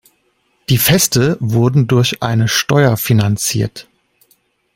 Die Feste wurden durch eine Steuer finanziert.